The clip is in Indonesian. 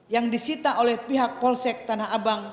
yang disita oleh pihak polsek tanah abang